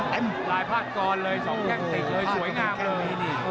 สองแก้งเตรียมสวยงามเลย